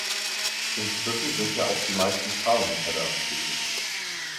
Inzwischen sind ja auch die meisten Frauen erwerbstätig.